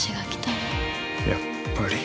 やっぱり。